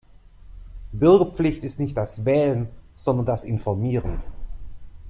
Bürgerpflicht ist nicht das Wählen sondern das Informieren.